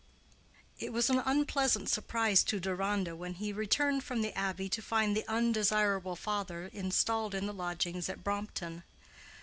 It was an unpleasant surprise to Deronda when he returned from the Abbey to find the undesirable father installed in the lodgings at Brompton.